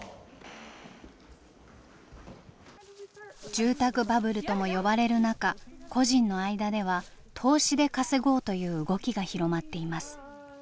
住宅バブルとも呼ばれる中個人の間では投資で稼ごうという動きが広まっています。